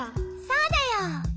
そうだよ。